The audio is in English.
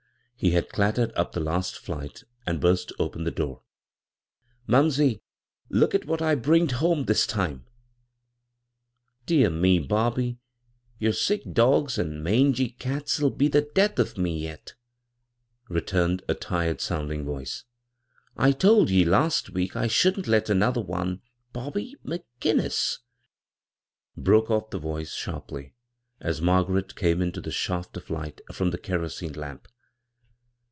He had clattered up the last flight and burst open the door. " Humsey, look at wh^ I bringed home this time 1 "" Dear me, Bobby, your sick dogs an' mangy oUs'll be the death o' me yet," re turned a tired sounding voice. " I told ye last week I shouldn't let another one — Bobby McGinnisI" broke off the voice sharply, as Margaret came into the shaft of light from the kerosene lamp.